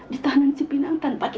baik pak baik pak